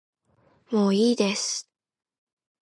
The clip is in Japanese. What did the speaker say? もういいです